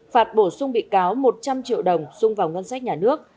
phạt bổ sung bị cáo một trăm linh triệu đồng sung vào ngân sách nhà nước